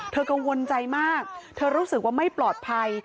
กังวลใจมากเธอรู้สึกว่าไม่ปลอดภัย